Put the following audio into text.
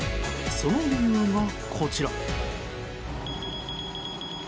その理由がこちら。